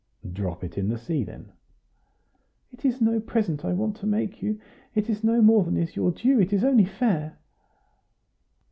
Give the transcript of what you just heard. "Drop it in the sea, then." "It is no present I want to make you; it is no more than is your due; it is only fair."